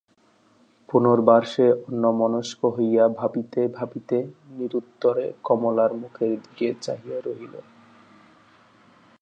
পুনর্বার সে অন্যমনস্ক হইয়া ভাবিতে ভাবিতে নিরুত্তরে কমলার মুখের দিকে চাহিয়া রহিল।